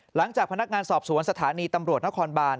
หลังจากพนักงานสอบสวนสถานีตำรวจนครบาน